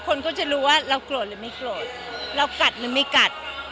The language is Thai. คนก็จะรู้ว่าเราโกรธหรือไม่โกรธเรากัดหรือไม่กัด